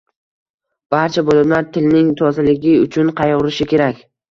Barcha bo’limlar tilning tozaligi uchun qayg’urishi kerak.